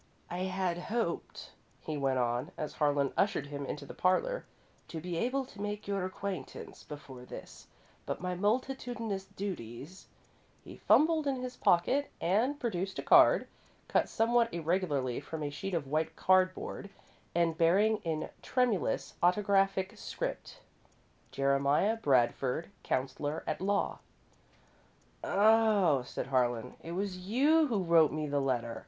"I had hoped," he went on, as Harlan ushered him into the parlour, "to be able to make your acquaintance before this, but my multitudinous duties " He fumbled in his pocket and produced a card, cut somewhat irregularly from a sheet of white cardboard, and bearing in tremulous autographic script: "Jeremiah Bradford, Counsellor at Law." "Oh," said Harlan, "it was you who wrote me the letter.